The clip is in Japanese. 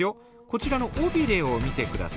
こちらの尾びれを見てください。